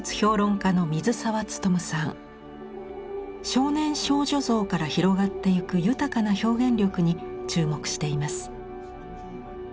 少年少女像から広がってゆく豊かな表現力に注目しています。